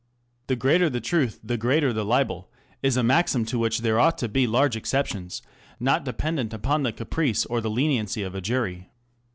The greater the truth the greater the libel, is a maxim to which there ought to be large exceptions, not dependent upon the caprice or the leniency of a jury.